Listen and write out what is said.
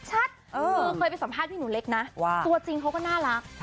คือเคยไปสัมภาษณ์พี่หนูเล็กนะว่าตัวจริงเขาก็น่ารัก